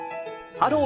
「ハロー！